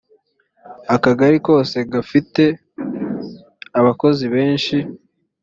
akagari kose gafite abakozi beshi.